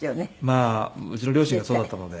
まあうちの両親がそうだったので。